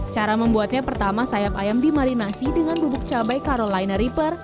cara membuatnya pertama sayap ayam dimarinasi dengan bubuk cabai carolina riper